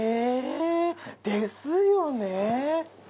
ですよね。